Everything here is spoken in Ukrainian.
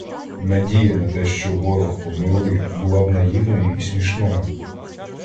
Надія на те, що ворог помилує, була б наївною і смішною.